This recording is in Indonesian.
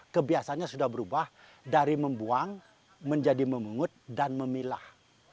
kebiasaannya sudah berubah dari membuang menjadi memungut dan memilah